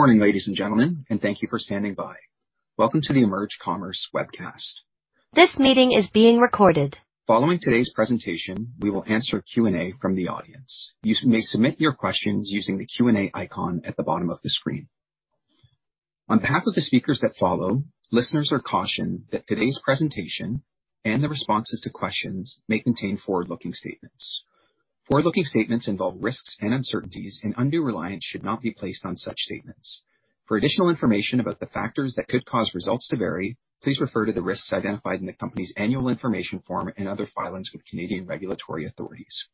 Morning, ladies and gentlemen, and thank you for standing by. Welcome to the EMERGE Commerce Webcast. This meeting is being recorded. Following today's presentation, we will answer Q&A from the audience. You may submit your questions using the Q&A icon at the bottom of the screen. On behalf of the speakers that follow, listeners are cautioned that today's presentation and the responses to questions may contain forward-looking statements. Forward-looking statements involve risks and uncertainties and undue reliance should not be placed on such statements. For additional information about the factors that could cause results to vary, please refer to the risks identified in the company's annual information form and other filings with Canadian regulatory authorities.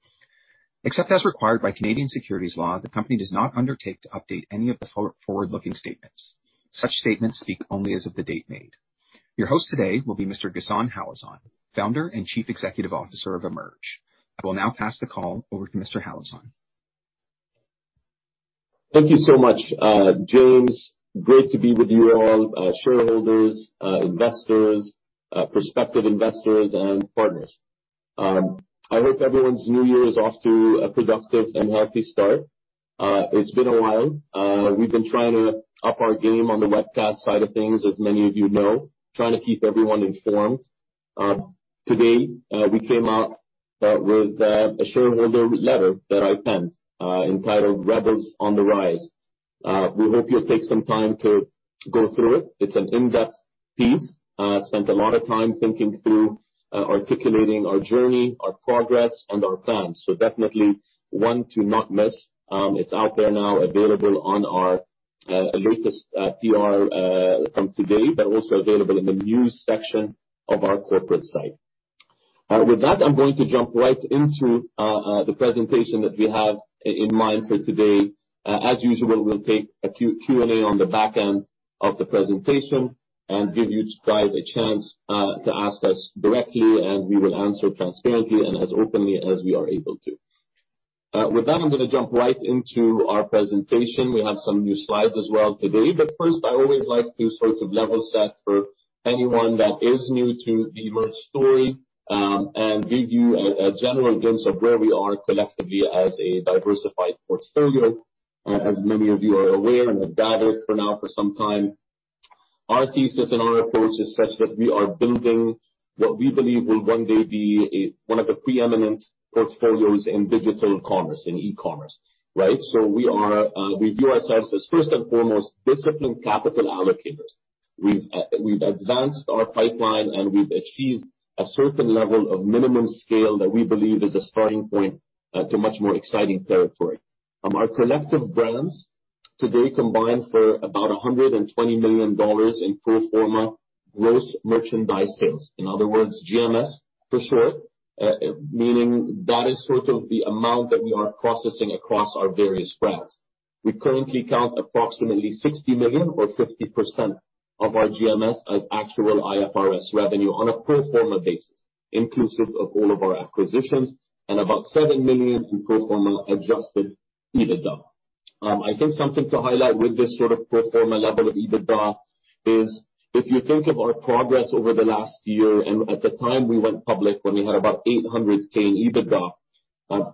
Except as required by Canadian securities law, the company does not undertake to update any of the forward-looking statements. Such statements speak only as of the date made. Your host today will be Mr. Ghassan Halazon, Founder and Chief Executive Officer of EMERGE. I will now pass the call over to Mr. Halazon. Thank you so much, James. Great to be with you all, shareholders, investors, prospective investors and partners. I hope everyone's new year is off to a productive and healthy start. It's been a while. We've been trying to up our game on the webcast side of things, as many of you know. Trying to keep everyone informed. Today, we came out with a shareholder letter that I penned, entitled Rebels on the Rise. We hope you'll take some time to go through it. It's an in-depth piece. I spent a lot of time thinking through, articulating our journey, our progress, and our plans. Definitely one to not miss. It's out there now available on our latest PR from today, but also available in the news section of our corporate site. With that, I'm going to jump right into the presentation that we have in mind for today. As usual, we'll take a Q&A on the back end of the presentation and give you guys a chance to ask us directly, and we will answer transparently and as openly as we are able to. With that, I'm gonna jump right into our presentation. We have some new slides as well today. First, I always like to sort of level set for anyone that is new to the EMERGE story, and give you a general glimpse of where we are collectively as a diversified portfolio. As many of you are aware and have gathered for some time now, our thesis and our approach is such that we are building what we believe will one day be a one of the preeminent portfolios in digital commerce, in e-commerce. Right? We view ourselves as first and foremost disciplined capital allocators. We've advanced our pipeline, and we've achieved a certain level of minimum scale that we believe is a starting point to much more exciting territory. Our collective brands today combine for about 120 million dollars in Pro Forma Gross Merchandise Sales. In other words, GMS for short. Meaning that is sort of the amount that we are processing across our various brands. We currently count approximately 60 million or 50% of our GMS as actual IFRS revenue on a pro forma basis, inclusive of all of our acquisitions and about 7 million in pro forma Adjusted EBITDA. I think something to highlight with this sort of Pro Forma level of EBITDA is if you think of our progress over the last year and at the time we went public when we had about 800,000 EBITDA,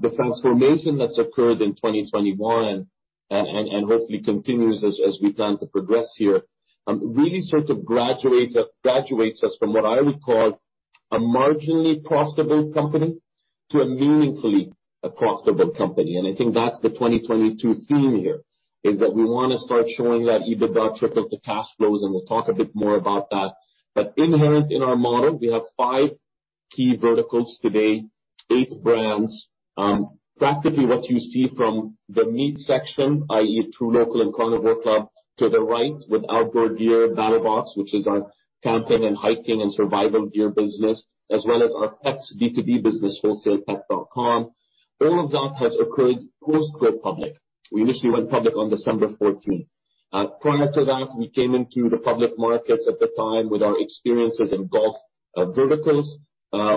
the transformation that's occurred in 2021 and hopefully continues as we plan to progress here, really sort of graduates us from what I would call a marginally profitable company to a meaningfully profitable company. I think that's the 2022 theme here, is that we wanna start showing that EBITDA trickle to cash flows, and we'll talk a bit more about that. Inherent in our model, we have five key verticals today, eight brands. Practically what you see from the meat section, i.e. truLOCAL and Carnivore Club, to the right with outdoor gear, BattlBox, which is our camping and hiking and survival gear business, as well as our pets B2B business, WholesalePet.com. All of that has occurred post-go public. We initially went public on December fourteenth. Prior to that, we came into the public markets at the time with our experiences in Golf verticals,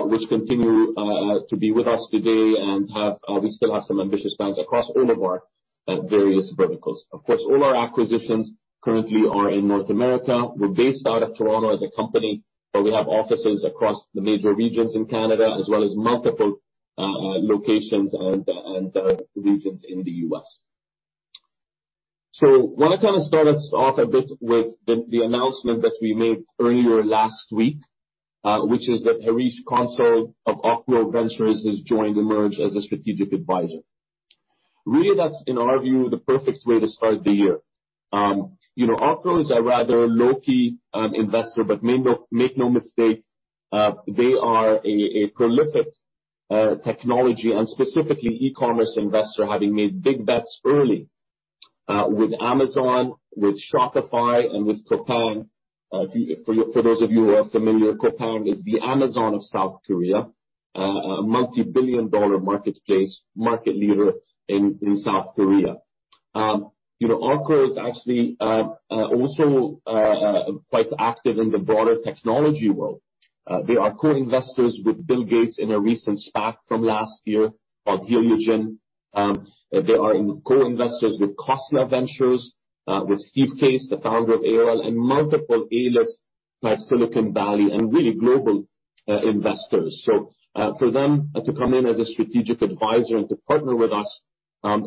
which continue to be with us today and we still have some ambitious plans across all of our various verticals. Of course, all our acquisitions currently are in North America. We're based out of Toronto as a company, but we have offices across the major regions in Canada as well as multiple locations and regions in the U.S. Wanna kind of start us off a bit with the announcement that we made earlier last week, which is that Harish Consul of Ocgrow Ventures has joined EMERGE as a Strategic Advisor. Really that's, in our view, the perfect way to start the year. You know, Ocgrow is a rather low-key investor, but make no mistake, they are a prolific technology and specifically e-commerce investor, having made big bets early with Amazon, with Shopify, and with Coupang. For those of you who are familiar, Coupang is the Amazon of South Korea. A multi-billion dollar marketplace, market leader in South Korea. You know, Ocgrow is actually also quite active in the broader technology world. They are co-investors with Bill Gates in a recent SPAC from last year called Heliogen. They are co-investors with Khosla Ventures with Steve Case, the founder of AOL, and multiple A-list Silicon Valley, and really global investors. For them to come in as a Strategic Advisor and to partner with us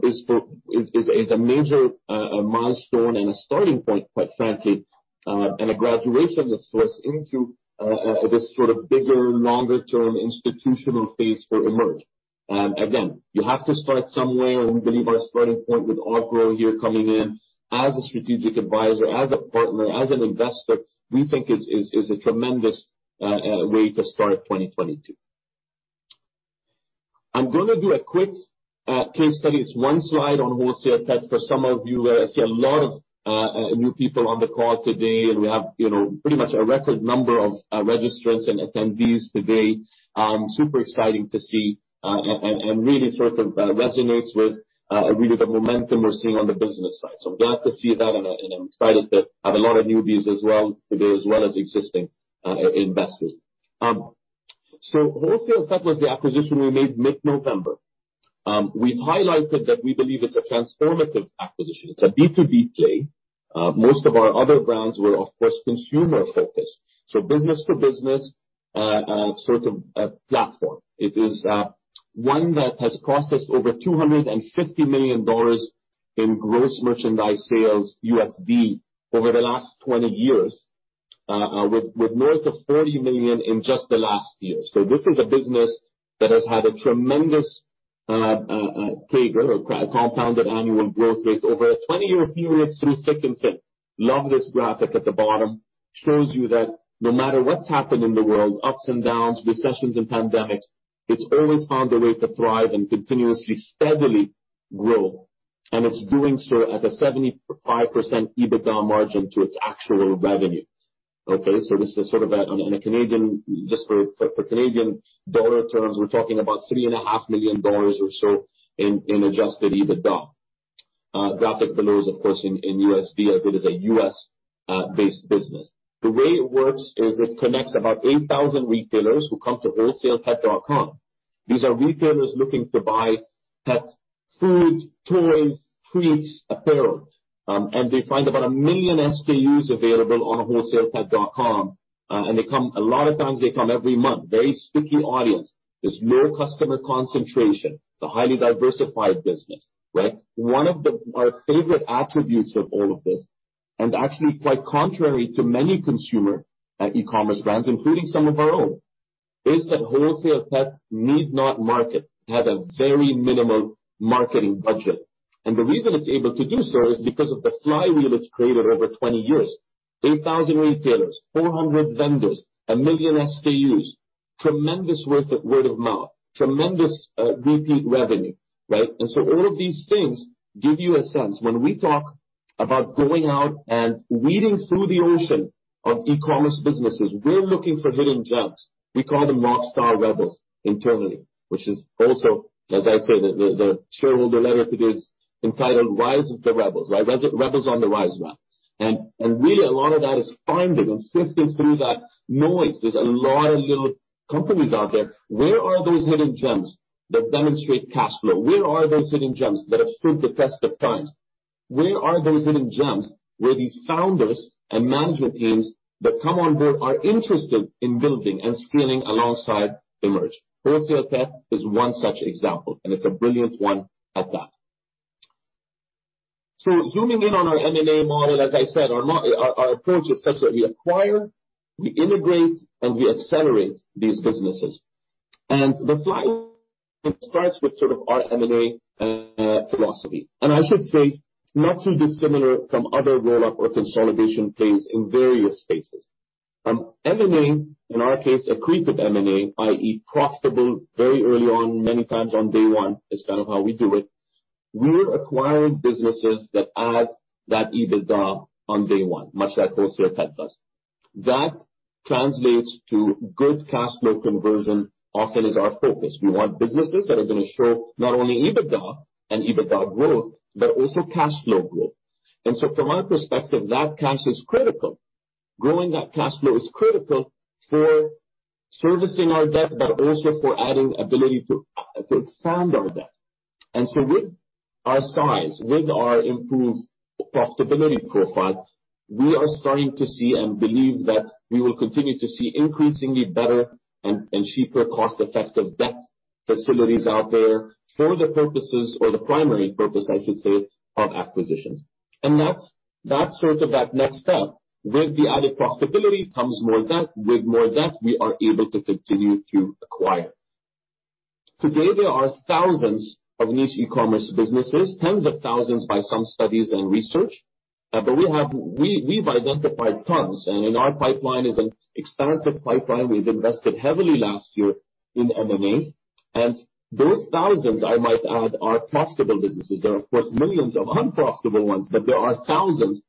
is a major milestone and a starting point, quite frankly, and a graduation of sorts into this sort of bigger, longer-term institutional phase for EMERGE. Again, you have to start somewhere, and we believe our starting point with Ocgrow here coming in as a Strategic Advisor, as a Partner, as an Investor, we think is a tremendous way to start 2022. I'm gonna do a quick case study. It's one slide on WholesalePet for some of you. I see a lot of new people on the call today, and we have, you know, pretty much a record number of registrants and attendees today. Super exciting to see, and really sort of resonates with really the momentum we're seeing on the business side. Glad to see that, and I'm excited to have a lot of newbies as well today, as well as existing investors. WholesalePet was the acquisition we made mid-November. We've highlighted that we believe it's a transformative acquisition. It's a B2B play. Most of our other brands were, of course, consumer-focused. Business to Business, sort of, platform. It is one that has brought us over $250 million in gross merchandise sales, USD, over the last 20 years, with north of $40 million in just the last year. This is a business that has had a tremendous CAGR, or compounded annual growth rate, over a 20-year period through thick and thin. Love this graphic at the bottom. Shows you that no matter what's happened in the world, ups and downs, recessions and pandemics, it's always found a way to thrive and continuously, steadily grow. It's doing so at a 75% EBITDA margin to its actual revenue. Okay? This is just for Canadian dollar terms, we're talking about 3.5 million dollars or so in Adjusted EBITDA. Graphic below is, of course, in USD, as it is a US based business. The way it works is it connects about 8,000 retailers who come to WholesalePet.com. These are retailers looking to buy pet food, toys, treats, apparel. And they find about 1 million SKUs available on WholesalePet.com, and they come a lot of times every month. Very sticky audience. There's low customer concentration. It's a highly diversified business, right? One of our favorite attributes of all of this, and actually quite contrary to many consumer e-commerce brands, including some of our own, is that WholesalePet need not market. It has a very minimal marketing budget. The reason it's able to do so is because of the flywheel it's created over 20 years. 8,000 retailers, 400 vendors, 1 million SKUs, tremendous worth of word of mouth, tremendous repeat revenue, right? All of these things give you a sense. When we talk about going out and weeding through the ocean of e-commerce businesses, we're looking for hidden gems. We call them Rockstar Rebels internally, which is also, as I say, the shareholder letter today is entitled Rise of the Rebels, right? Rebels on the Rise. Really a lot of that is finding and sifting through that noise. There's a lot of little companies out there. Where are those hidden gems that demonstrate cash flow? Where are those hidden gems that have stood the test of time? Where are those hidden gems where these founders and management teams that come on board are interested in building and scaling alongside EMERGE? WholesalePet is one such example, and it's a brilliant one at that. Zooming in on our M&A model, as I said, our approach is such that we acquire, we integrate, and we accelerate these businesses. The flywheel starts with sort of our M&A philosophy. I should say, not too dissimilar from other roll-up or consolidation plays in various spaces. M&A, in our case, accretive M&A, i.e., profitable very early on, many times on day one, is kind of how we do it. We're acquiring businesses that add that EBITDA on day one, much like WholesalePet does. That translates to good cash flow conversion often is our focus. We want businesses that are gonna show not only EBITDA and EBITDA growth, but also cash flow growth. From our perspective, that cash is critical. Growing that cash flow is critical for servicing our debt, but also for adding ability to expand our debt. With our size, with our improved profitability profile, we are starting to see and believe that we will continue to see increasingly better and cheaper cost-effective debt facilities out there for the purposes or the primary purpose, I should say, of acquisitions. That's sort of that next step. With the added profitability comes more debt. With more debt, we are able to continue to acquire. Today, there are thousands of niche e-commerce businesses, tens of thousands by some studies and research. But we've identified tons, and our pipeline is an expansive pipeline. We've invested heavily last year in M&A. Those thousands, I might add, are profitable businesses. There are, of course, millions of unprofitable ones, but there are thousands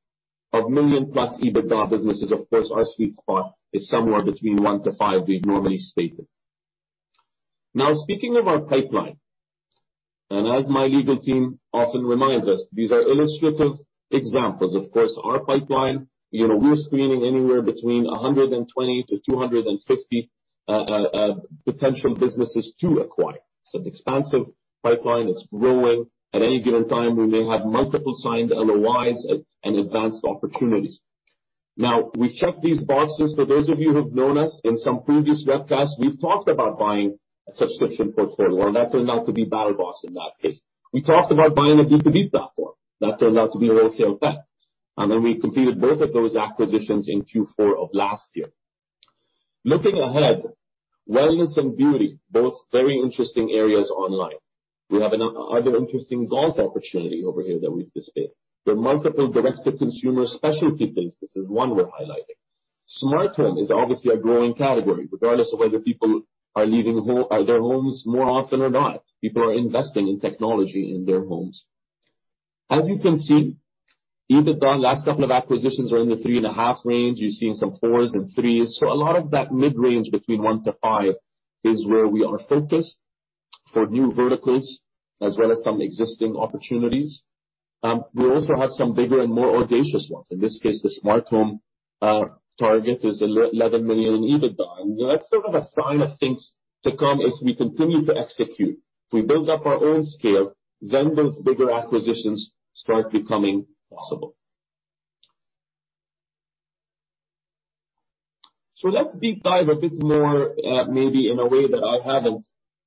of million + EBITDA businesses. Of course, our sweet spot is somewhere between 1-5, we've normally stated. Now, speaking of our pipeline, and as my legal team often reminds us, these are illustrative examples. Of course, our pipeline, you know, we're screening anywhere between 120-250 potential businesses to acquire. It's an expansive pipeline. It's growing. At any given time, we may have multiple signed LOIs and advanced opportunities. Now, we checked these boxes. For those of you who've known us, in some previous webcasts, we've talked about buying a subscription portfolio. That turned out to be BattlBox in that case. We talked about buying a B2B platform. That turned out to be WholesalePet. We completed both of those acquisitions in Q4 of last year. Looking ahead, wellness and beauty, both very interesting areas online. We have another interesting golf opportunity over here that we've just made. There are multiple Direct-to-Consumer specialty businesses, one we're highlighting. Smart home is obviously a growing category. Regardless of whether people are leaving their homes more often or not, people are investing in technology in their homes. As you can see, EBITDA, last couple of acquisitions are in the 3.5 range. You're seeing some fours and threes. A lot of that mid-range between 1-5 is where we are focused for new verticals as well as some existing opportunities. We also have some bigger and more audacious ones. In this case, the smart home target is 11 million in EBITDA. That's sort of a sign of things to come as we continue to execute. We build up our own scale, then those bigger acquisitions start becoming possible. Let's deep dive a bit more, maybe in a way that I haven't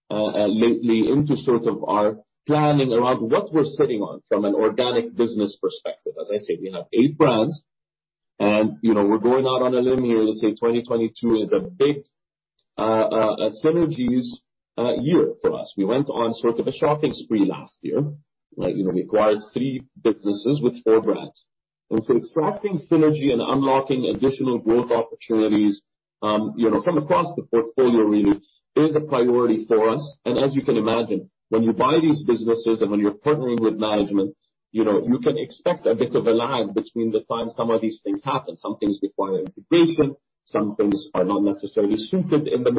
lately, into sort of our planning around what we're sitting on from an organic business perspective. As I said, we have eight brands, and, you know, we're going out on a limb here to say 2022 is a big synergies year for us. We went on sort of a shopping spree last year. Right. You know, we acquired three businesses with four brands. Extracting synergy and unlocking additional growth opportunities, you know, from across the portfolio really is a priority for us. As you can imagine, when you buy these businesses and when you're partnering with management, you know, you can expect a bit of a lag between the time some of these things happen. Some things require integration, some things are not necessarily suited in that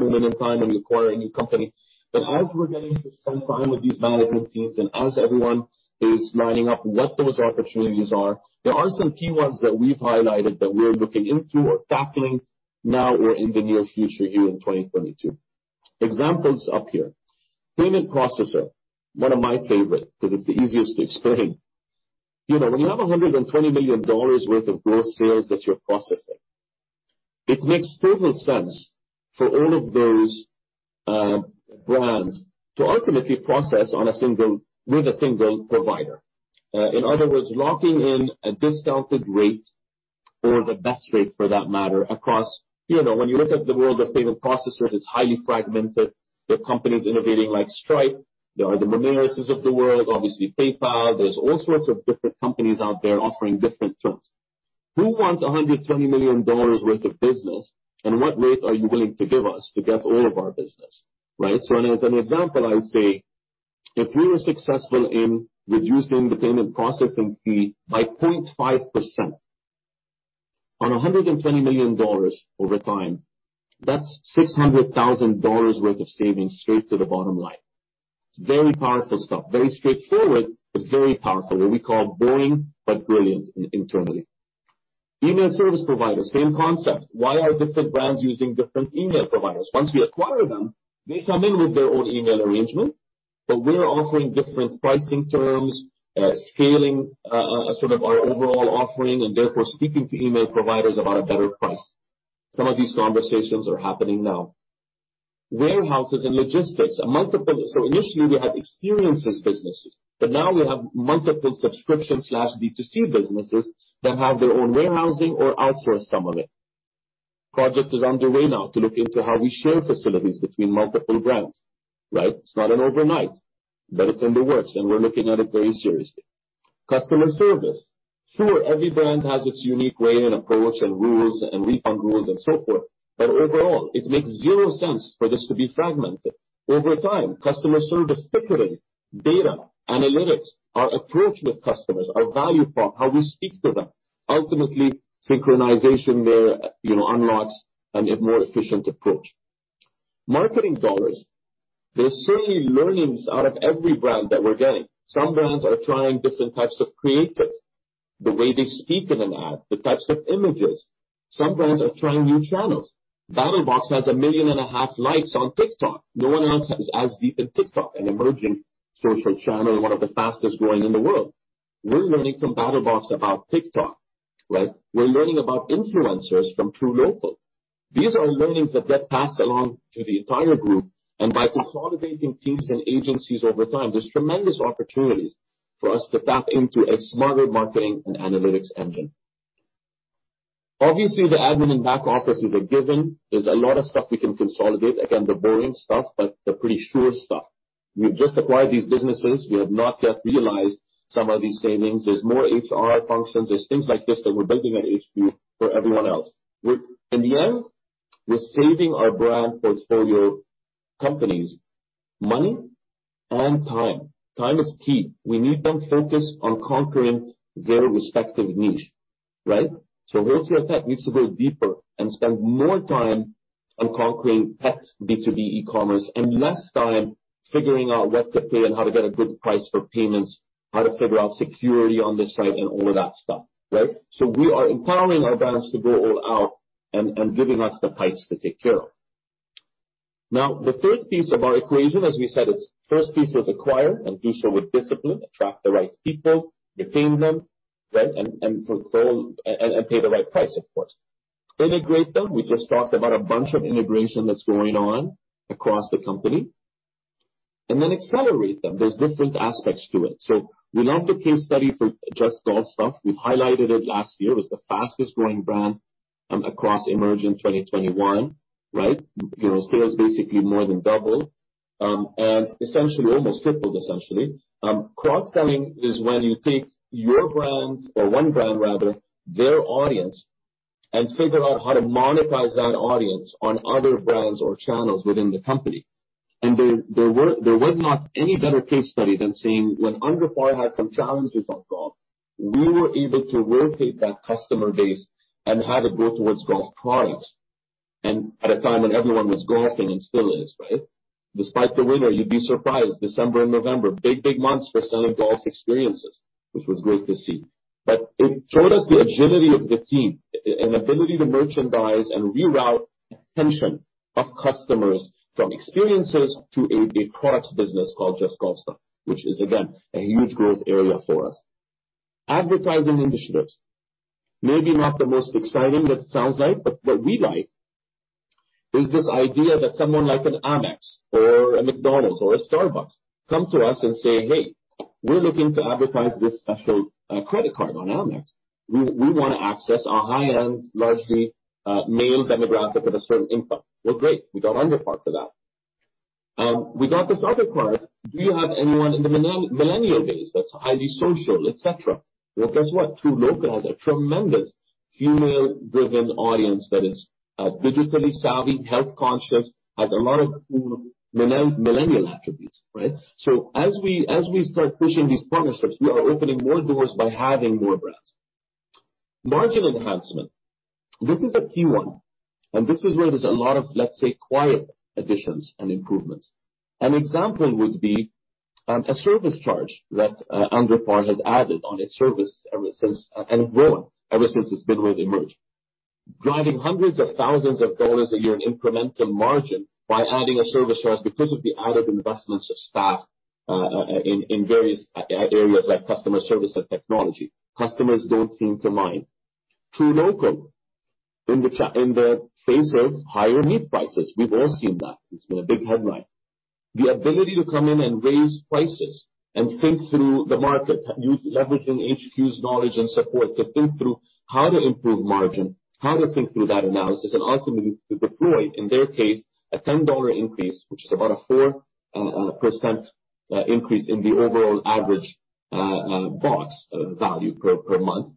moment in time when you acquire a new company. But as we're getting to spend time with these management teams and as everyone is lining up what those opportunities are, there are some key ones that we've highlighted that we're looking into or tackling now or in the near future here in 2022. Examples up here. Payment processor, one of my favorite 'cause it's the easiest to explain. You know, when you have $120 million worth of gross sales that you're processing, it makes total sense for all of those brands to ultimately process with a single provider. In other words, locking in a discounted rate or the best rate for that matter across, you know, when you look at the world of payment processors, it's highly fragmented. There are companies innovating like Stripe. There are the Moneris of the world, obviously PayPal. There's all sorts of different companies out there offering different terms. Who wants $120 million worth of business, and what rate are you willing to give us to get all of our business, right? As an example, I would say if we were successful in reducing the payment processing fee by 0.5% on 120 million dollars over time, that's 600,000 dollars worth of savings straight to the bottom line. Very powerful stuff. Very straightforward, but very powerful. What we call Boring but Brilliant internally. Email service provider, same concept. Why are different brands using different email providers? Once we acquire them, they come in with their own email arrangement, but we're offering different pricing terms, scaling, sort of our overall offering, and therefore speaking to email providers about a better price. Some of these conversations are happening now. Warehouses and logistics are multiple. Initially we had experiences businesses, but now we have multiple subscription/B2C businesses that have their own warehousing or outsource some of it. Project is underway now to look into how we share facilities between multiple brands, right? It's not an overnight, but it's in the works, and we're looking at it very seriously. Customer service. Sure, every brand has its unique way and approach and rules and refund rules and so forth, but overall, it makes zero sense for this to be fragmented. Over time, customer service ticketing, data, analytics, our approach with customers, our value prop, how we speak to them, ultimately synchronization there, you know, unlocks more efficient approach. Marketing dollars. There's certainly learnings out of every brand that we're getting. Some brands are trying different types of creatives, the way they speak in an ad, the types of images. Some brands are trying new channels. BattlBox has 1.5 million likes on TikTok. No one else has as deep in TikTok, an emerging social channel and one of the fastest growing in the world. We're learning from BattlBox about TikTok, right? We're learning about influencers from truLOCAL. These are learnings that get passed along to the entire group, and by consolidating teams and agencies over time, there's tremendous opportunities for us to tap into a Smarter Marketing & Analytics Engine. Obviously, the Admin and Back Office is a given. There's a lot of stuff we can consolidate. Again, the boring stuff, but the pretty sure stuff. We've just acquired these businesses. We have not yet realized some of these savings. There's more HR functions. There's things like this that we're building at HQ for everyone else. In the end, we're saving our brand portfolio companies money and time. Time is key. We need them focused on conquering their respective niche, right? WholesalePet needs to go deeper and spend more time on conquering Pet B2B e-commerce and less time figuring out what to pay and how to get a good price for payments, how to figure out security on this site and all of that stuff, right? We are empowering our brands to go all out and giving us the pipes to take care of. Now, the third piece of our equation, as we said, it's first piece was acquire, and do so with discipline. Attract the right people, retain them, right? Fulfill and pay the right price, of course. Integrate them, we just talked about a bunch of integration that's going on across the company. Then accelerate them. There are different aspects to it. We love the case study for JustGolfStuff. We've highlighted it last year. It was the fastest growing brand across EMERGE 2021, right? You know, sales basically more than doubled, and essentially almost tripled, essentially. Cross-selling is when you take your brand or one brand, rather, their audience, and figure out how to monetize that audience on other brands or channels within the company. There was not any better case study than seeing when UnderPar had some challenges on Golf, we were able to rotate that customer base and have it go towards golf products. At a time when everyone was golfing, and still is, right? Despite the winter, you'd be surprised, December and November, big months for selling golf experiences, which was great to see. It showed us the agility of the team and ability to merchandise and reroute attention of customers from experiences to a products business called JustGolfStuff, which is, again, a huge growth area for us. Advertising initiatives. Maybe not the most exciting, that sounds like, but what we like is this idea that someone like an Amex or a McDonald's or a Starbucks come to us and say, "Hey, we're looking to advertise this special credit card on Amex. We wanna access a high-end, largely male demographic with a certain income." Well, great. We got UnderPar for that. We got this other card. Do you have anyone in the millennial base that's highly social, et cetera? Well, guess what? truLOCAL has a tremendous female-driven audience that is digitally savvy, health-conscious, has a lot of cool Millennial attributes, right? As we start pushing these partnerships, we are opening more doors by having more brands. Margin enhancement. This is a key one, and this is where there's a lot of, let's say, quiet additions and improvements. An example would be a service charge that UnderPar has added on its service ever since and grown ever since it's been with EMERGE. Driving hundreds of thousands dollars a year in incremental margin by adding a service charge because of the added investments of staff in various areas like customer service and technology. Customers don't seem to mind. truLOCAL. In the face of higher meat prices. We've all seen that. It's been a big headline. The ability to come in and raise prices and think through the market, leveraging HQ's knowledge and support to think through how to improve margin, how to think through that analysis, and ultimately to deploy, in their case, a 10 dollar increase, which is about a 4% increase in the overall average box value per month.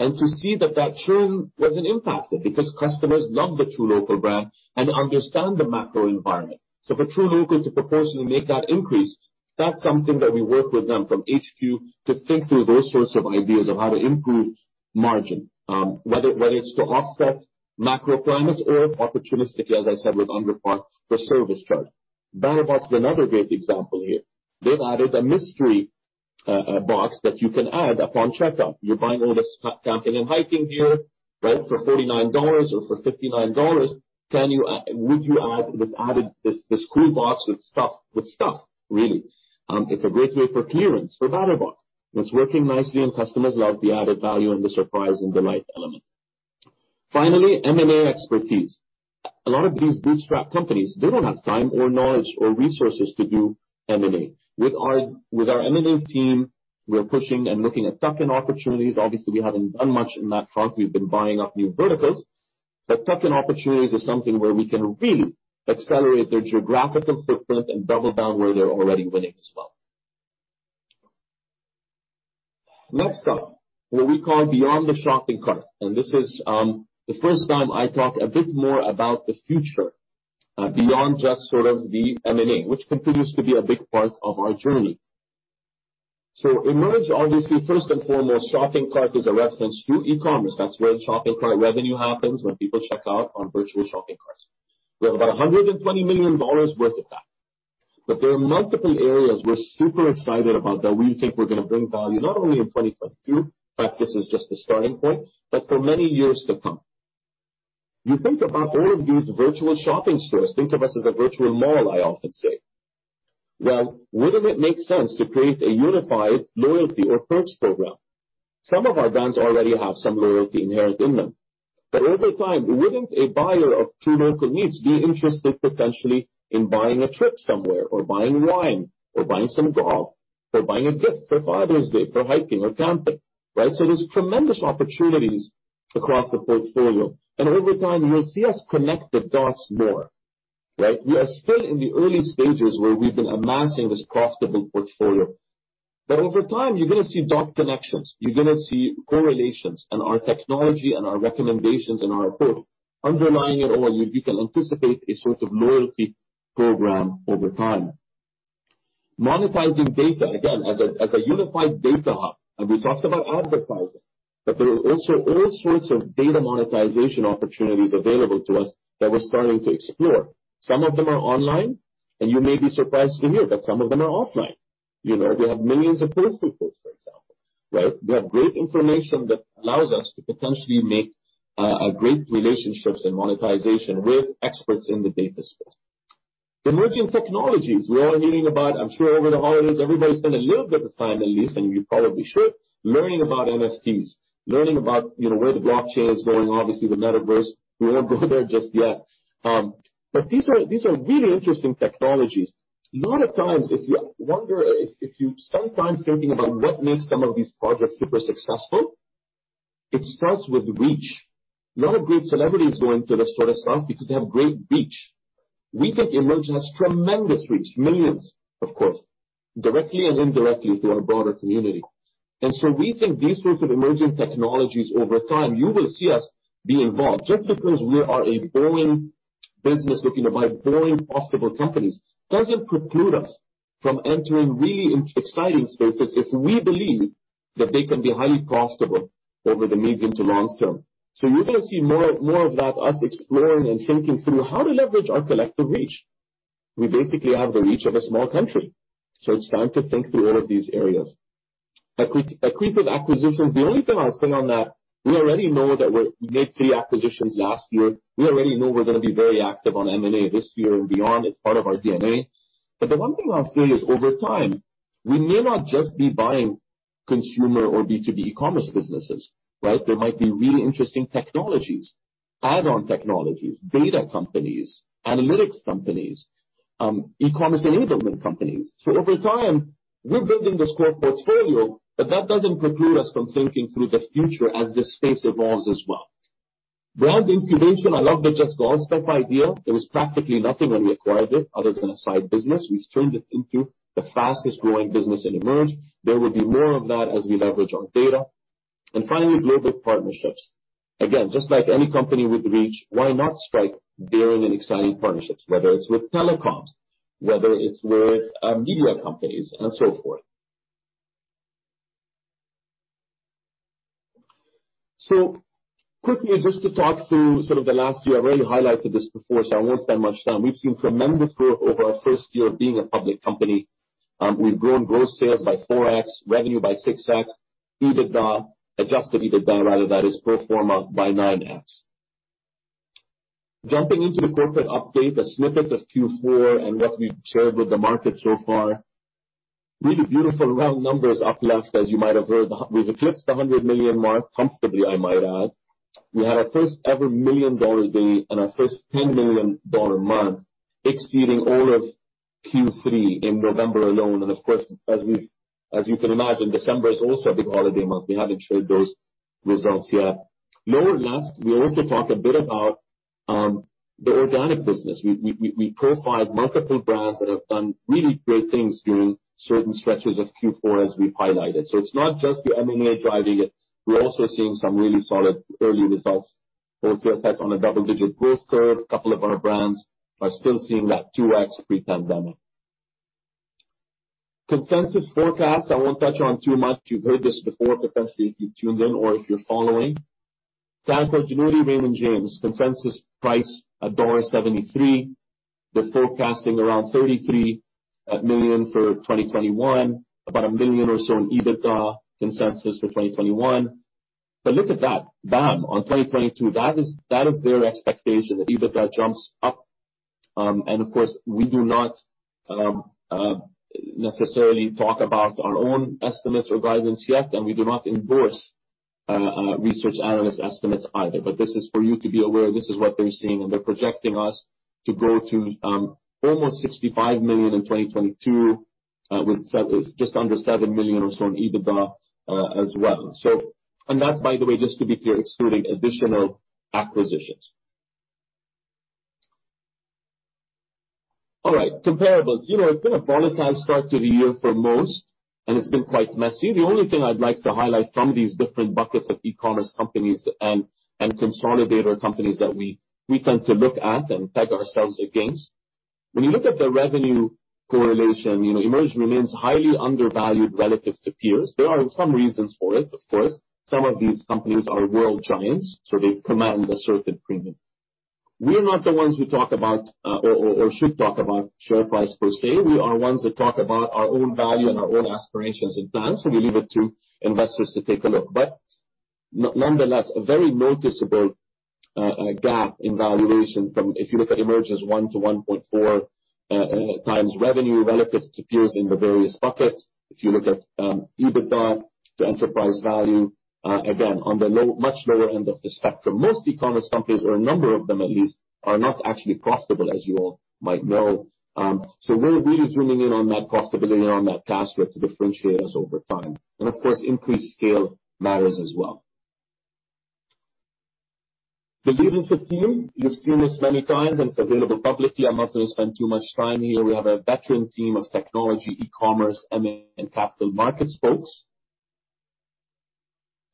To see that churn wasn't impacted because customers love the truLOCAL brand and understand the macro environment. For truLOCAL to proportionally make that increase, that's something that we work with them from HQ to think through those sorts of ideas of how to improve margin, whether it's to offset macro climates or opportunistically, as I said, with UnderPar, the service charge. BattlBox is another great example here. They've added a mystery box that you can add upon checkout. You're buying all this camping and hiking gear, right? For 49 dollars or for 59 dollars, would you add this Cool Box with stuff, really. It's a great way for clearance for BattlBox. It's working nicely, and customers love the added value and the surprise and delight element. Finally, M&A expertise. A lot of these bootstrap companies, they don't have time or knowledge or resources to do M&A. With our M&A team, we're pushing and looking at tuck-in opportunities. Obviously, we haven't done much in that front. We've been buying up new verticals. Tuck-in opportunities is something where we can really accelerate their geographical footprint and double down where they're already winning as well. Next up, what we call Beyond the Shopping Cart, and this is the first time I talk a bit more about the future, beyond just sort of the M&A, which continues to be a big part of our journey. EMERGE, obviously, first and foremost, shopping cart is a reference to e-commerce. That's where the shopping cart revenue happens, when people check out on virtual shopping carts. We have about 120 million dollars worth of that. But there are multiple areas we're super excited about that we think we're gonna bring value, not only in 2022, in fact, this is just the starting point, but for many years to come. You think about all of these virtual shopping stores. Think of us as a virtual mall, I often say. Well, wouldn't it make sense to create a unified loyalty or perks program? Some of our brands already have some loyalty inherent in them. Over time, wouldn't a buyer of truLOCAL be interested, potentially, in buying a trip somewhere or buying wine or buying some golf or buying a gift for Father's Day for hiking or camping, right? There's tremendous opportunities across the portfolio, and over time, you'll see us connect the dots more, right? We are still in the early stages where we've been amassing this profitable portfolio. Over time, you're gonna see dot connections. You're gonna see correlations in our technology and our recommendations and our approach. Underlying it all, you can anticipate a sort of loyalty program over time. Monetizing data, again, as a Unified Data Hub, and we talked about advertising, but there are also all sorts of data monetization opportunities available to us that we're starting to explore. Some of them are online, and you may be surprised to hear that some of them are offline. You know, we have millions of post people. Right. We have great information that allows us to potentially make great relationships and monetization with experts in the data space. Emerging technologies we're all hearing about. I'm sure over the holidays, everybody spent a little bit of time at least, and you probably should, learning about NFTs, learning about, you know, where the blockchain is going, obviously the Metaverse. We won't go there just yet. But these are really interesting technologies. A lot of times, if you wonder, if you're sometimes thinking about what makes some of these projects super successful, it starts with reach. A lot of great celebrities go into the sort of stuff because they have great reach. We think EMERGE has tremendous reach, millions, of course, directly and indirectly through our broader community. We think these sorts of emerging technologies over time, you will see us be involved. Just because we are a Boring business looking to buy boring profitable companies, doesn't preclude us from entering really exciting spaces if we believe that they can be highly profitable over the medium to long term. You're gonna see more of that, us exploring and thinking through how to leverage our collective reach. We basically have the reach of a small country, so it's time to think through all of these areas. Acquisitive acquisitions. The only thing I'll say on that, we already know that we made three acquisitions last year. We already know we're gonna be very active on M&A this year and beyond. It's part of our DNA.The one thing I'll say is over time, we may not just be buying consumer or B2B e-commerce businesses, right? There might be really interesting technologies, add-on technologies, data companies, analytics companies, e-commerce enablement companies. Over time, we're building the core portfolio, but that doesn't preclude us from thinking through the future as this space evolves as well. Brand incubation. I love the JustGolfStuff idea. There was practically nothing when we acquired it other than a side business. We've turned it into the fastest growing business in EMERGE. There will be more of that as we leverage our data. Finally, global partnerships. Again, just like any company with reach, why not strike daring and exciting partnerships, whether it's with telecoms, whether it's with, media companies and so forth. Quickly, just to talk through sort of the last year, I've already highlighted this before, so I won't spend much time. We've seen tremendous growth over our first year of being a public company. We've grown gross sales by 4x, revenue by 6x, EBITDA, Adjusted EBITDA rather, that is pro forma by 9x. Jumping into the corporate update, a snippet of Q4 and what we've shared with the market so far. Really beautiful round numbers up left. As you might have heard, we've eclipsed the 100 million mark comfortably, I might add. We had our first ever 1 million dollar day and our first 10 million dollar month, exceeding all of Q3 in November alone. Of course, as you can imagine, December is also a big holiday month. We haven't showed those results yet. Lower left, we also talk a bit about the organic business. We profiled multiple brands that have done really great things during certain stretches of Q4 as we've highlighted. It's not just the M&A driving it. We're also seeing some really solid early results. Both were set on a double-digit growth curve. A couple of our brands are still seeing that 2x pre-pandemic. Consensus forecast, I won't touch on too much. You've heard this before, potentially, if you've tuned in or if you're following. Canaccord Genuity Raymond James, consensus price, 1.73. They're forecasting around 33 million for 2021, about 1 million or so in EBITDA consensus for 2021. Look at that. Bam. On 2022, that is their expectation, that EBITDA jumps up. Of course, we do not necessarily talk about our own estimates or guidance yet, and we do not endorse research analyst estimates either. This is for you to be aware, this is what they're seeing, and they're projecting us to grow to almost 65 million in 2022, with just under 7 million or so in EBITDA, as well. That's by the way, just to be clear, excluding additional acquisitions. All right. Comparables. You know, it's been a volatile start to the year for most, and it's been quite messy. The only thing I'd like to highlight from these different buckets of e-commerce companies and consolidator companies that we tend to look at and peg ourselves against. When you look at the revenue correlation, you know, EMERGE remains highly undervalued relative to peers. There are some reasons for it, of course. Some of these companies are world giants, so they command a certain premium. We're not the ones who talk about or should talk about share price per se. We are ones that talk about our own value and our own aspirations and plans, so we leave it to investors to take a look. Nonetheless, a very noticeable gap in valuation from if you look at EMERGE as 1x-1.4x revenue relative to peers in the various buckets. If you look at EBITDA to enterprise value, again, on the low, much lower end of the spectrum. Most e-commerce companies or a number of them at least, are not actually profitable, as you all might know. We're really zooming in on that profitability and on that cash flow to differentiate us over time. Of course, increased scale matters as well. The leadership team. You've seen this many times, and it's available publicly. I'm not gonna spend too much time here. We have a veteran team of technology, e-commerce, M&A, and capital markets folks.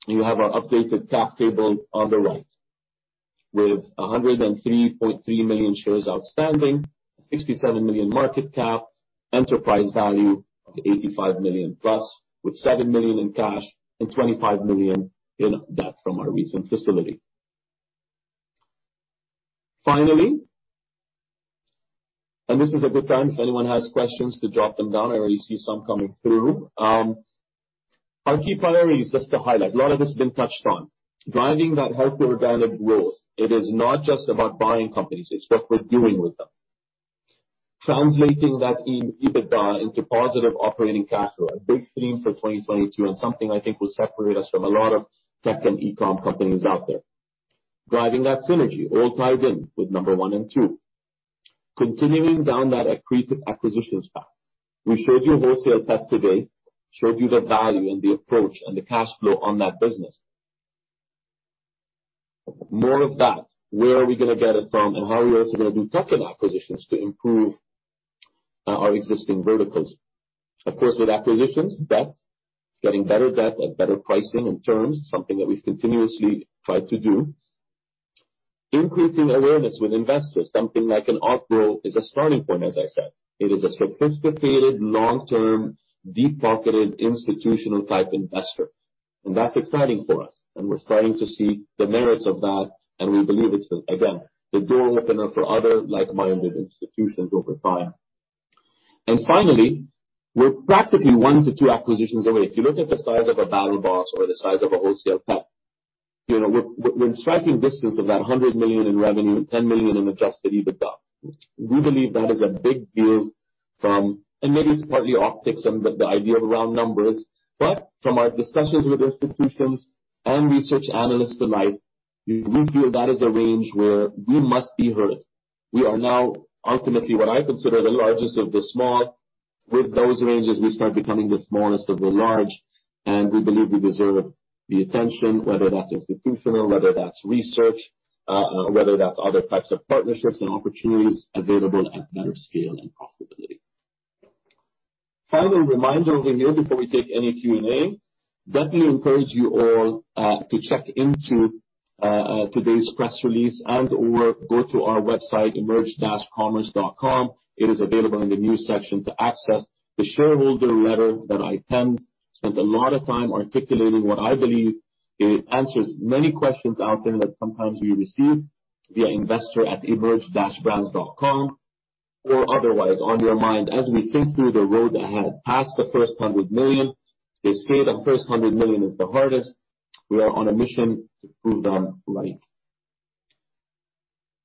You have our updated cap table on the right with 103.3 million shares outstanding, 67 million market cap, enterprise value of 85 million plus, with 7 million in cash and 25 million in debt from our recent facility. Finally, and this is a good time if anyone has questions to drop them down. I already see some coming through. Our key priorities just to highlight, a lot of this has been touched on. Driving that healthier organic growth. It is not just about buying companies, it's what we're doing with them. Translating that EBITDA into positive operating cash flow, a big theme for 2022 and something I think will separate us from a lot of tech and e-com companies out there. Driving that synergy all tied in with number one and two. Continuing down that accretive acquisitions path. We showed you WholesalePet today, showed you the value and the approach and the cash flow on that business. More of that, where are we gonna get it from, and how are we also gonna do tuck-in acquisitions to improve our existing verticals. Of course, with acquisitions, debt. Getting better debt at better pricing and terms, something that we continuously try to do. Increasing awareness with investors. Something like an Ocgrow is a starting point, as I said. It is a sophisticated long-term, deep-pocketed, institutional type investor, and that's exciting for us, and we're starting to see the merits of that, and we believe it's, again, the door opener for other like-minded institutions over time. Finally, we're practically one to two acquisitions away. If you look at the size of a BattlBox or the size of a WholesalePet, you know, we're in striking distance of that 100 million in revenue and 10 million in Adjusted EBITDA. We believe that is a big deal. Maybe it's partly optics and the idea of round numbers, but from our discussions with institutions and research analysts alike, we feel that is a range where we must be heard. We are now ultimately what I consider the largest of the small. With those ranges, we start becoming the smallest of the large, and we believe we deserve the attention, whether that's institutional, whether that's research, whether that's other types of partnerships and opportunities available at better scale and profitability. Final reminder over here before we take any Q&A, definitely encourage you all to check into today's press release and/or go to our website, emerge-commerce.com. It is available in the news section to access the shareholder letter that I penned. Spent a lot of time articulating what I believe. It answers many questions out there that sometimes we receive via investor@emerge-brands.com or otherwise on your mind as we think through the road ahead past the first 100 million. They say the first 100 million is the hardest. We are on a mission to prove them right.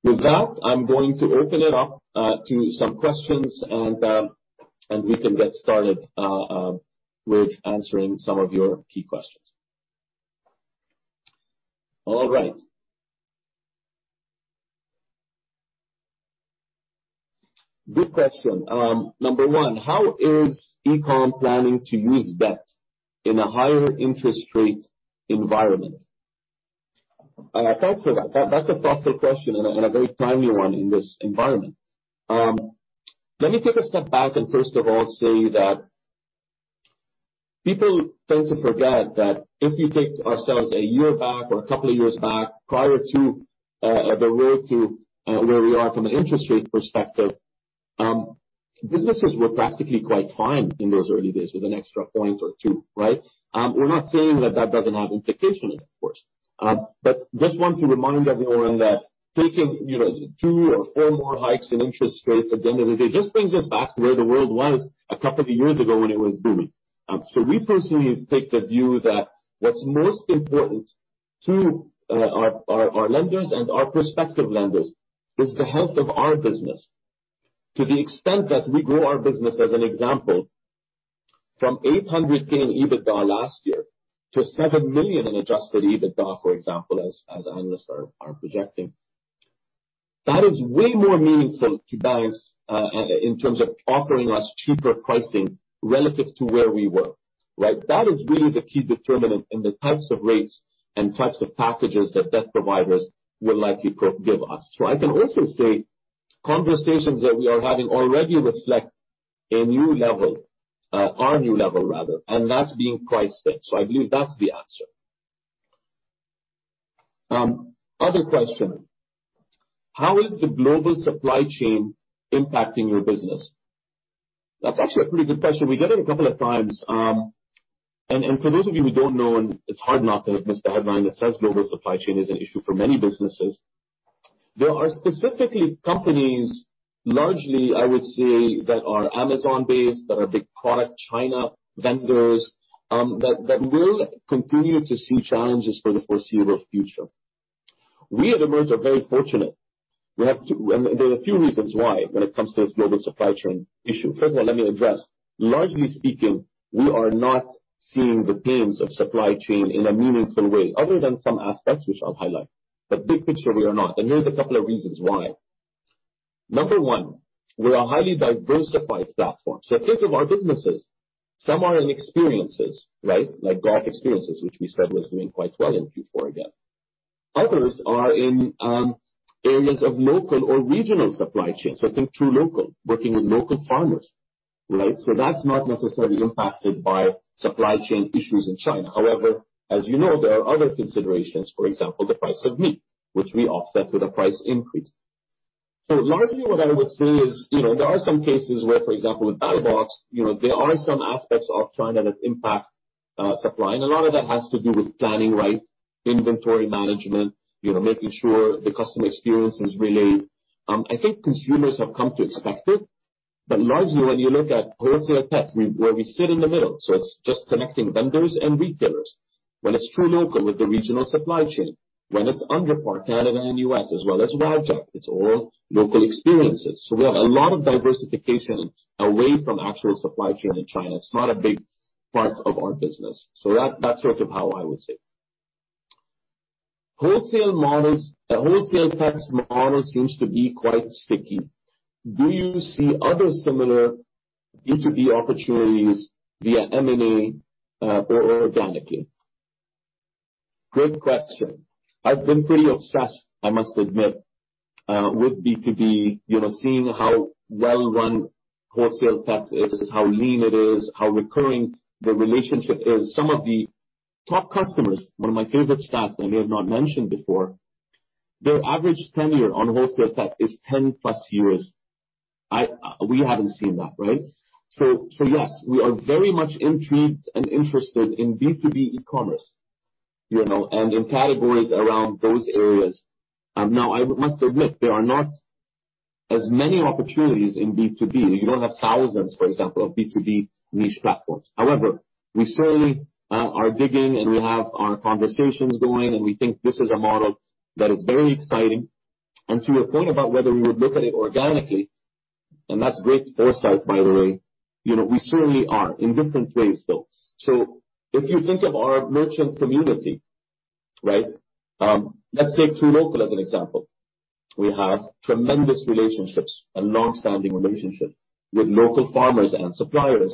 With that, I'm going to open it up to some questions and we can get started with answering some of your key questions. All right. Good question. Number one, how is e-com planning to use debt in a higher interest rate environment? Thanks for that. That's a thoughtful question and a very timely one in this environment. Let me take a step back and first of all say that people tend to forget that if you take ourselves a year back or a couple of years back, prior to the road to where we are from an interest rate perspective, businesses were practically quite fine in those early days with an extra point or two, right? We're not saying that doesn't have implications, of course. Just want to remind everyone that taking, you know, two or four more hikes in interest rates, at the end of the day, just brings us back to where the world was a couple of years ago when it was booming. We personally take the view that what's most important to our lenders and our prospective lenders is the health of our business. To the extent that we grow our business, as an example, from 800 million EBITDA last year to 7 million in Adjusted EBITDA, for example, as analysts are projecting. That is way more meaningful to banks in terms of offering us cheaper pricing relative to where we were, right? That is really the key determinant in the types of rates and types of packages that debt providers will likely give us. I can also say conversations that we are having already reflect a new level, our new level rather, and that's being priced in. I believe that's the answer. Other question. How is the global supply chain impacting your business? That's actually a pretty good question. We get it a couple of times. For those of you who don't know, it's hard not to have missed the headline that says global supply chain is an issue for many businesses. There are specifically companies, largely, I would say, that are Amazon-based, that are big product China vendors, that will continue to see challenges for the foreseeable future. We at EMERGE are very fortunate. There are a few reasons why when it comes to this global supply chain issue. First of all, let me address. Largely speaking, we are not seeing the pains of supply chain in a meaningful way other than some aspects which I'll highlight. Big picture, we are not, and here's a couple of reasons why. Number one, we're a highly diversified platform. Think of our businesses. Some are in experiences, right? Like golf experiences, which we said was doing quite well in Q4 again. Others are in areas of local or regional supply chain. Think truLOCAL, working with local farmers, right? That's not necessarily impacted by supply chain issues in China. However, as you know, there are other considerations. For example, the price of meat, which we offset with a price increase. Largely what I would say is, you know, there are some cases where, for example, with BattlBox, you know, there are some aspects of China that impact supply. A lot of that has to do with planning, right? Inventory management, you know, making sure the customer experience is really. I think consumers have come to expect it. Largely, when you look at WholesalePet, we sit in the middle, so it's just connecting vendors and retailers. When it's truLOCAL with the regional supply chain, when it's UnderPar Canada and U.S., as well as WagJag, it's all local experiences. We have a lot of diversification away from actual supply chain in China. It's not a big part of our business. That's sort of how I would say. WholesalePet's model seems to be quite sticky. Do you see other similar B2B opportunities via M&A, or organically? Good question. I've been pretty obsessed, I must admit, with B2B, you know, seeing how well run WholesalePet is, how lean it is, how recurring the relationship is. Some of the top customers, one of my favorite stats I may have not mentioned before, their average tenure on WholesalePet is 10+ years. We haven't seen that, right? Yes, we are very much intrigued and interested in B2B e-commerce, you know, and in categories around those areas. Now I must admit there are not as many opportunities in B2B. You don't have thousands, for example, of B2B niche platforms. However, we certainly are digging, and we have our conversations going, and we think this is a model that is very exciting. To your point about whether we would look at it organically, and that's great foresight, by the way, you know, we certainly are in different ways, though. If you think of our Merchant Community, right? Let's take truLOCAL as an example. We have tremendous relationships and long-standing relationship with local farmers and suppliers.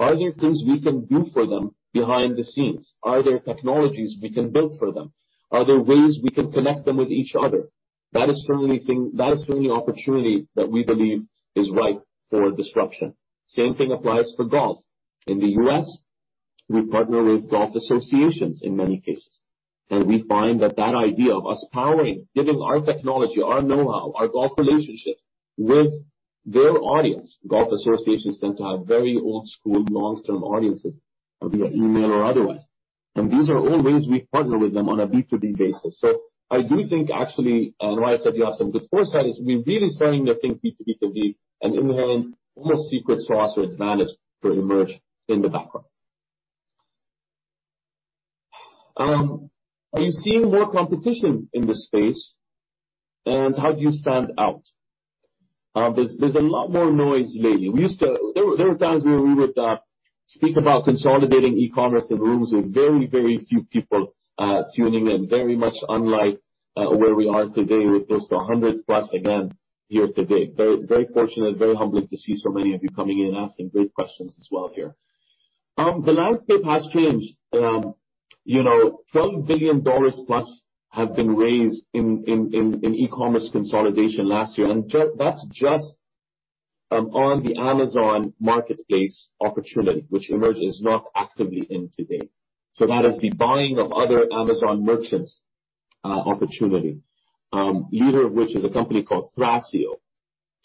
Are there things we can do for them behind the scenes? Are there technologies we can build for them? Are there ways we can connect them with each other? That is certainly opportunity that we believe is ripe for disruption. Same thing applies for Golf. In the U.S., we partner with Golf Associations in many cases, and we find that that idea of us powering, giving our technology, our Know-How, our Golf relationships with their audience. Golf Associations tend to have very old school, long-term audiences via email or otherwise, and these are all ways we partner with them on a B2B basis. I do think actually, and Ryan said you have some good foresight, is we're really starting to think B2B can be an in line, almost secret sauce or advantage for EMERGE in the background. Are you seeing more competition in this space, and how do you stand out? There's a lot more noise lately. There were times where we would speak about consolidating e-commerce in rooms with very, very few people tuning in, very much unlike where we are today with close to 100+ here today. Very, very fortunate, very humbling to see so many of you coming in, asking great questions as well here. The landscape has changed. You know, $12 billion + have been raised in e-commerce consolidation last year. That's just on the Amazon Marketplace opportunity, which EMERGE is not actively in today. That is the buying of other Amazon merchants opportunity, leader of which is a company called Thrasio,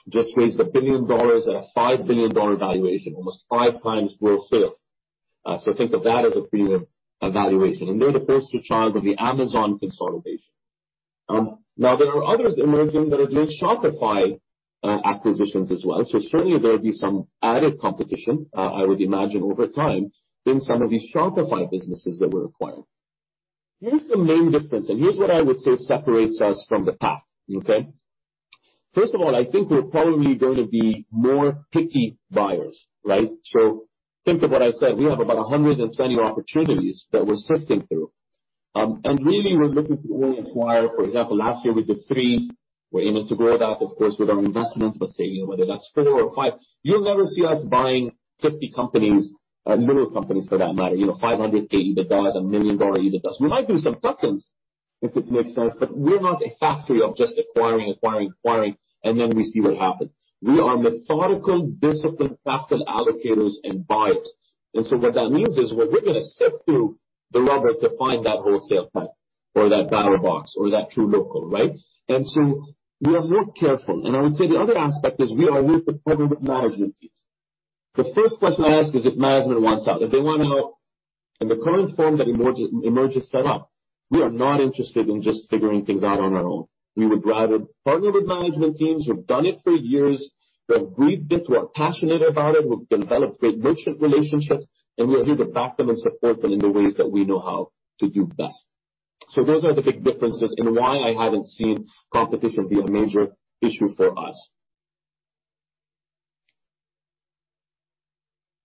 just raised $1 billion at a $5 billion valuation, almost 5x gross sales. Think of that as a premium valuation. They're the poster child of the Amazon consolidation. Now there are others emerging that are doing Shopify acquisitions as well. Certainly there'll be some added competition I would imagine over time in some of these Shopify businesses that we're acquiring. Here's the main difference, and here's what I would say separates us from the pack, okay? First of all, I think we're probably gonna be more picky buyers, right? Think of what I said. We have about 120 opportunities that we're sifting through. And really we're looking to only acquire. For example, last year we did three. We're aiming to grow that, of course, with our investments. Say, you know, whether that's four or five, you'll never see us buying 50 companies, little companies for that matter, you know, 500,000 EBITDA, a 1 million dollar EBITDA. We might do some tuck-ins if it makes sense, but we're not a factory of just acquiring, acquiring, and then we see what happens. We are methodical, disciplined, capital allocators and buyers. What that means is, we're willing to sift through the rubble to find that WholesalePet.com or that BattlBox or that truLOCAL, right? We are more careful. I would say the other aspect is we are always partnering with management teams. The first question I ask is if management wants out. If they want out, in the current form that EMERGE is set up, we are not interested in just figuring things out on our own. We would rather partner with management teams who've done it for years, who have breathed it, who are passionate about it, who've developed great merchant relationships, and we're here to back them and support them in the ways that we know how to do best. Those are the big differences in why I haven't seen competition be a major issue for us.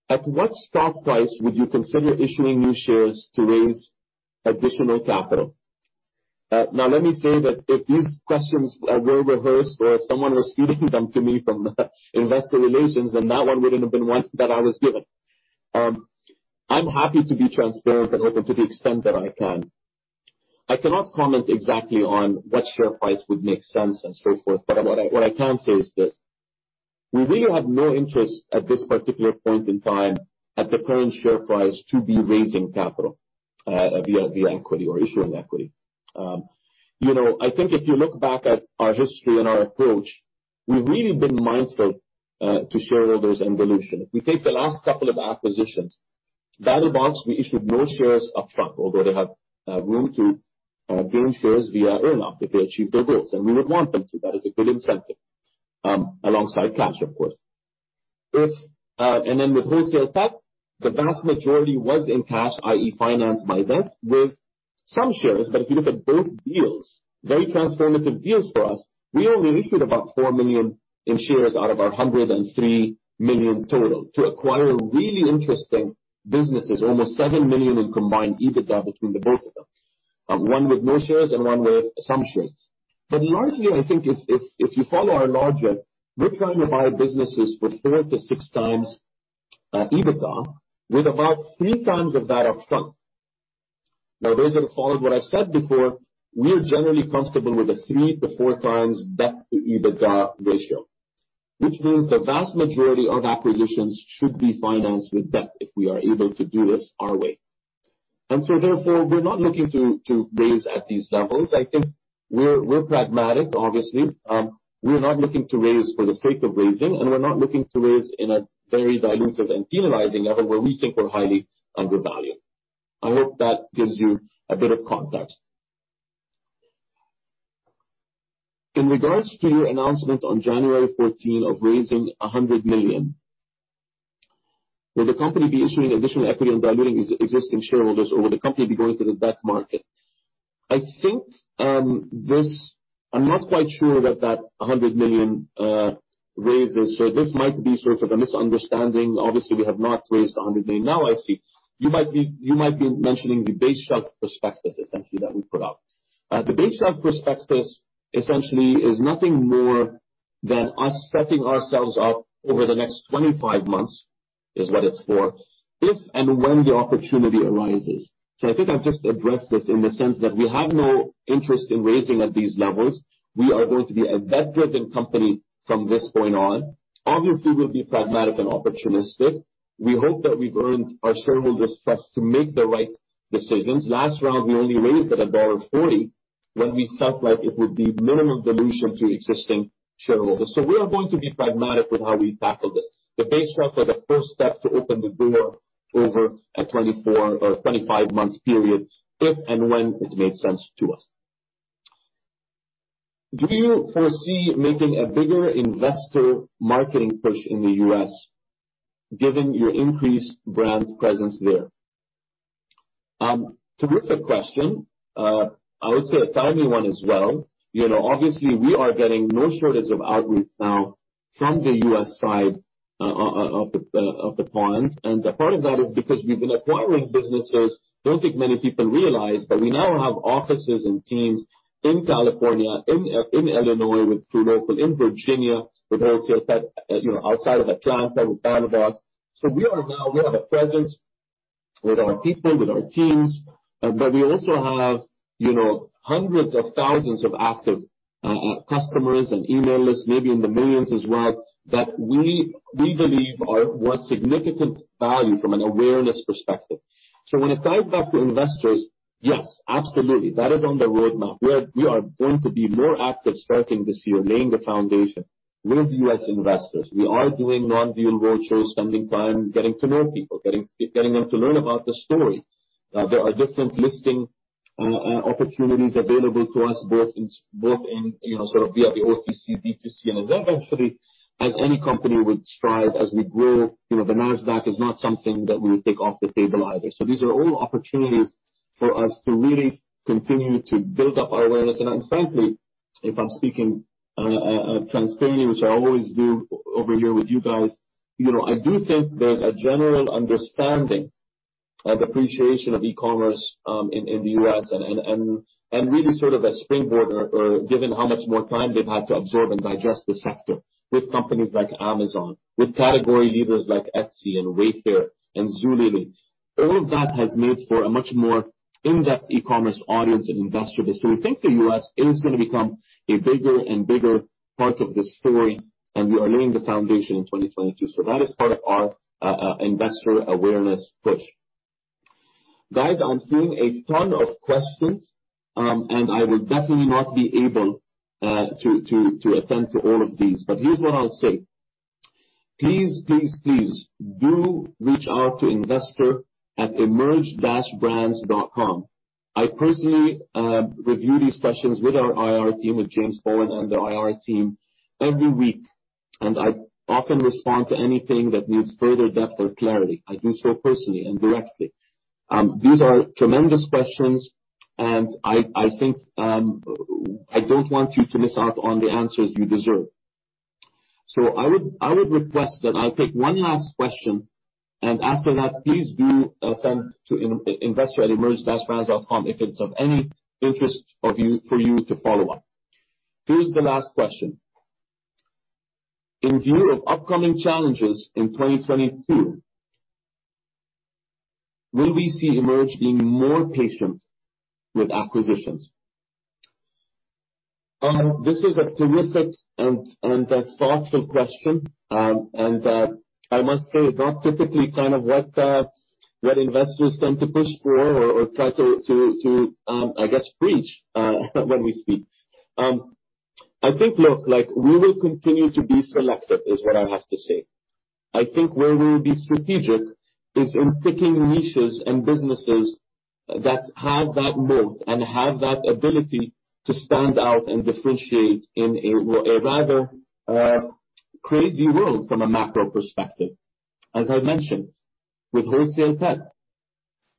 At what stock price would you consider issuing new shares to raise additional capital? Now, let me say that if these questions were rehearsed or if someone was feeding them to me from investor relations, then that one wouldn't have been one that I was given. I'm happy to be transparent and open to the extent that I can. I cannot comment exactly on what share price would make sense and so forth, but what I can say is this. We really have no interest at this particular point in time at the current share price to be raising capital via equity or issuing equity. You know, I think if you look back at our history and our approach, we've really been mindful to shareholders and dilution. If we take the last couple of acquisitions, BattlBox, we issued more shares up front, although they have room to gain shares via earnout if they achieve their goals, and we would want them to. That is a good incentive, alongside cash, of course. With WholesalePet, the vast majority was in cash, i.e., financed by debt with some shares. If you look at both deals, very transformative deals for us, we only issued about 4 million in shares out of our 103 million total to acquire really interesting businesses. Almost 7 million in combined EBITDA between the both of them. One with no shares and one with some shares. Largely, I think if you follow our logic, we're trying to buy businesses with 4x-6x EBITDA with about 3x of that up front. Now, those that have followed what I've said before, we're generally comfortable with a 3x-4x Debt-to-EBITDA ratio, which means the vast majority of acquisitions should be financed with debt if we are able to do this our way. Therefore, we're not looking to raise at these levels. I think we're pragmatic, obviously. We're not looking to raise for the sake of raising, and we're not looking to raise in a very dilutive and penalizing level where we think we're highly undervalued. I hope that gives you a bit of context. In regards to your announcement on January 14 of raising 100 million, will the company be issuing additional equity and diluting existing shareholders, or will the company be going to the debt market?" I think, I'm not quite sure that a 100 million raises. This might be sort of a misunderstanding. Obviously, we have not raised 100 million. Now I see. You might be mentioning the base shelf prospectus essentially that we put out. The base shelf prospectus essentially is nothing more than us setting ourselves up over the next 25 months, is what it's for, if and when the opportunity arises. I think I've just addressed this in the sense that we have no interest in raising at these levels. We are going to be a debt-driven company from this point on. Obviously, we'll be pragmatic and opportunistic. We hope that we've earned our shareholders' trust to make the right decisions. Last round, we only raised at dollar 1.40 when we felt like it would be minimal dilution to existing shareholders. We are going to be pragmatic with how we tackle this. The base shelf was a first step to open the door over a 24-month or 25-month period, if and when it made sense to us. "Do you foresee making a bigger investor marketing push in the U.S., given your increased brand presence there?" It's a good question. I would say a timely one as well. You know, obviously, we are getting no shortage of outreach now from the US side of the pond. A part of that is because we've been acquiring businesses. Don't think many people realize, but we now have offices and teams in California, in Illinois with truLOCAL, in Virginia with WholesalePet, you know, outside of Atlanta with BattlBox. We are now. We have a presence with our people, with our teams, but we also have, you know, hundreds of thousands of active customers and email lists, maybe in the millions as well, that we believe are worth significant value from an awareness perspective. When it comes back to investors, yes, absolutely. That is on the roadmap. We are going to be more active starting this year, laying the foundation with US investors. We are doing non-deal roadshow, spending time getting to know people, getting them to learn about the story. There are different listing opportunities available to us both in, you know, sort of via the OTC, DTC. Then eventually, as any company would strive as we grow, you know, the NASDAQ is not something that we would take off the table either. These are all opportunities for us to really continue to build up our awareness. Frankly, if I'm speaking transparently, which I always do over here with you guys, you know, I do think there's a general understanding and appreciation of e-commerce in the U.S. and really sort of a springboard or given how much more time they've had to absorb and digest the sector with companies like Amazon, with category leaders like Etsy and Wayfair and Zulily. All of that has made for a much more in-depth e-commerce audience and investor base. We think the U.S. is gonna become a bigger and bigger part of the story, and we are laying the foundation in 2022. That is part of our investor awareness push. Guys, I'm seeing a ton of questions, and I will definitely not be able to attend to all of these. Here's what I'll say. Please, please do reach out to investor@emerge-brands.com. I personally review these questions with our IR team, with James Bowen and the IR team every week. I often respond to anything that needs further depth or clarity. I do so personally and directly. These are tremendous questions, and I think I don't want you to miss out on the answers you deserve.I would request that I take one last question, and after that, please do send to investor@emerge-brands.com if it's of any interest to you for you to follow up. Here's the last question: "In view of upcoming challenges in 2022—Will we see EMERGE being more patient with acquisitions?" This is a terrific and thoughtful question. I must say, not typically kind of what investors tend to push for or try to, I guess, preach when we speak. I think, look, like we will continue to be selective is what I have to say. I think where we'll be strategic is in picking niches and businesses that have that moat and have that ability to stand out and differentiate in a, well, a rather crazy world from a macro perspective. As I mentioned, with WholesalePet,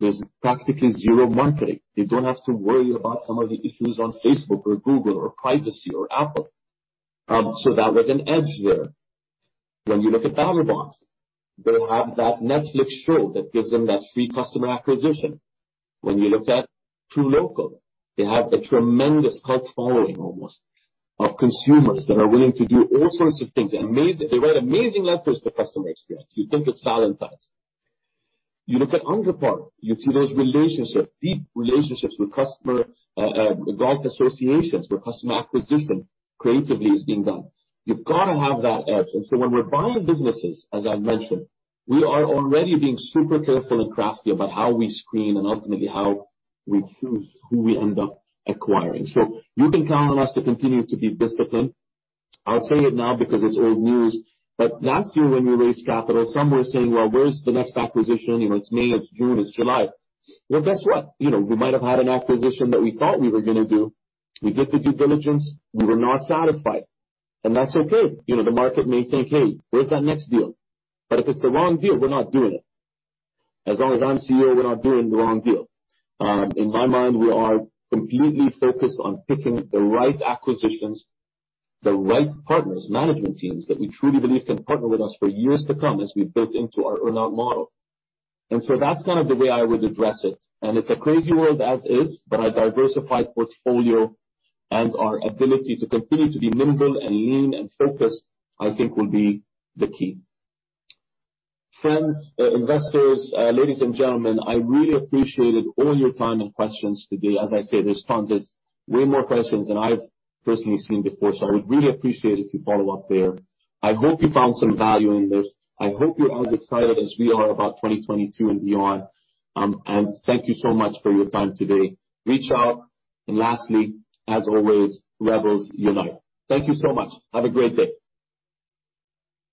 there's practically zero monetary. They don't have to worry about some of the issues on Facebook or Google or privacy or Apple. That was an edge there. When you look at BattlBox, they have that Netflix show that gives them that free customer acquisition. When you looked at truLOCAL, they have a tremendous cult following almost of consumers that are willing to do all sorts of things. Amazing. They write amazing letters to customer experience. You'd think it's Valentine's. You look at UnderPar, you see those relationships, deep relationships with customer, golf associations, where customer acquisition creatively is being done. You've gotta have that edge. When we're buying businesses, as I've mentioned, we are already being super careful and crafty about how we screen and ultimately how we choose who we end up acquiring. You can count on us to continue to be disciplined. I'll say it now because it's old news, but last year when we raised capital, some were saying, "Well, where's the next acquisition? You know, it's May, it's June, it's July." Well, guess what? You know, we might have had an acquisition that we thought we were gonna do. We did the due diligence. We were not satisfied, and that's okay. You know, the market may think, "Hey, where's that next deal?" But if it's the wrong deal, we're not doing it. As long as I'm CEO, we're not doing the wrong deal. In my mind, we are completely focused on picking the right acquisitions, the right partners, management teams, that we truly believe can partner with us for years to come as we've built into our earn-out model. That's kind of the way I would address it. It's a crazy world as is, but our diversified portfolio and our ability to continue to be nimble and lean and focused, I think will be the key. Friends, investors, ladies and gentlemen, I really appreciated all your time and questions today. As I said, there's tons, there's way more questions than I've personally seen before, so I would really appreciate if you follow up there. I hope you found some value in this. I hope you're as excited as we are about 2022 and beyond. Thank you so much for your time today. Reach out. Lastly, as always, Rebels Unite. Thank you so much. Have a great day.